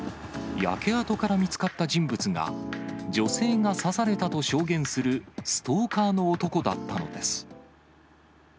焼け跡から見つかった人物が、女性が刺されたと証言するストーカーの男だったのです。